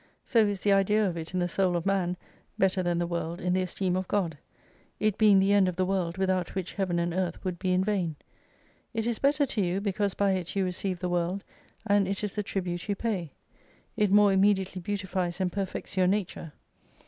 So is the idea of it in the Soul of Man, better than the ^Xrorld in the esteem of God : it being the end of the World, without which Heaven and Earth would be in vain. It is better to you, because by it you receive the World, and it is the tribute you pay. It more immediately beautifies and perfects your nature.